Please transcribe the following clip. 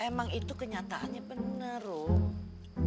emang itu kenyataannya bener rum